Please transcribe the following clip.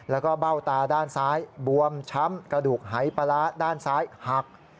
แล้วก็เบ้าตาด้านซ้ายบวมช้ำกระดูกหายปลาร้าด้านซ้ายหัก